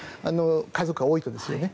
家族が多いとですよね。